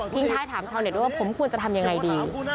ทิ้งท้ายถามชาวเน็ตว่าผมควรจะทำอย่างไรดี